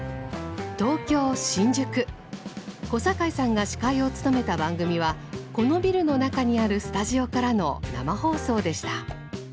小堺さんが司会を務めた番組はこのビルの中にあるスタジオからの生放送でした。